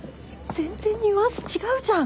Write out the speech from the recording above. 全然ニュアンス違うじゃん。